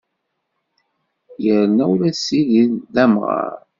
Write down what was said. Yerna ula d Sidi d amɣar!